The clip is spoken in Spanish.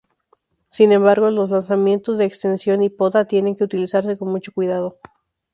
Sin embargo, los lanzamiento de extensión y poda tienen que utilizarse con mucho cuidado.